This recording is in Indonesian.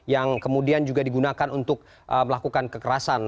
yang kemudian juga digunakan untuk melakukan kekerasan